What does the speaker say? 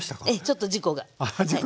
ちょっと事故が。